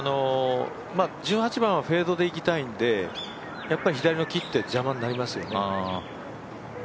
１８番はフェードでいきたいのでやっぱ左の木って邪魔になりますよね。